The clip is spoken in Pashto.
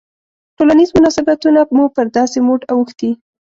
ټولنیز مناسبتونه مو پر داسې موډ اوښتي.